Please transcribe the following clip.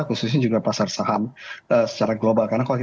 khususnya juga pasar saham secara global